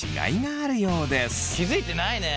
気付いてないね。